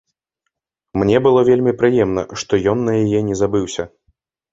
Мне было вельмі прыемна, што ён на яе не забыўся.